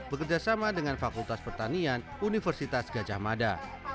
bekerjasama dengan fakultas pertanian universitas gajah mada